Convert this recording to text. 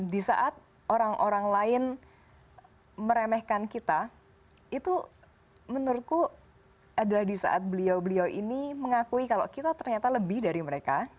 di saat orang orang lain meremehkan kita itu menurutku adalah di saat beliau beliau ini mengakui kalau kita ternyata lebih dari mereka